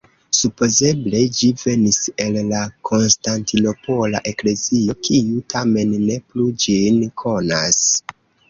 Supozeble ĝi venis el la Konstantinopola eklezio, kiu tamen ne plu ĝin konas.